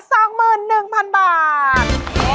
สองหมื่นหนึ่งพันบาท